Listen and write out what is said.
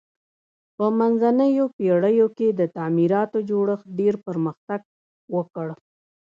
په منځنیو پیړیو کې د تعمیراتو جوړښت ډیر پرمختګ وکړ.